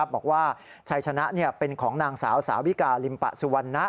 บอกว่าชัยชนะเป็นของนางสาวสาวิกาลิมปะสุวรรณะ